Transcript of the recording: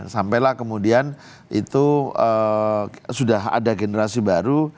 sampailah kemudian itu sudah ada generasi baru